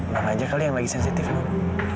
mama aja kali yang lagi sensitif non